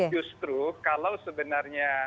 justru kalau sebenarnya